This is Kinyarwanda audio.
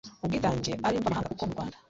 ubwitange ari mvamahanga kuko mu Rwanda